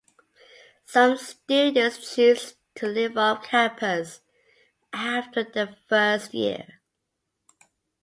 Some students choose to live off campus after their first year.